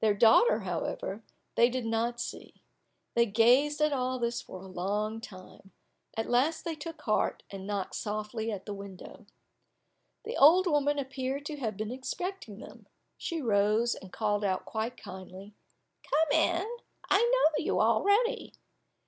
Their daughter, however, they did not see. They gazed at all this for a long time, at last they took heart, and knocked softly at the window. The old woman appeared to have been expecting them; she rose, and called out quite kindly, "Come in,—I know you already."